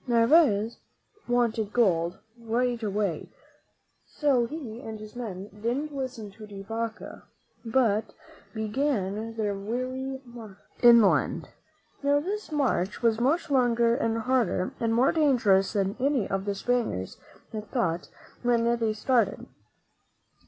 Narvaez wanted gold right away, so he and his men didn't listen to De Vaca, but began their weary march inland. Now, this march was much longer and harder and more dangerous than any of the Spaniards had thought when they started.